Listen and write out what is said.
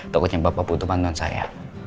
toko cempa papa butuh bantuan saya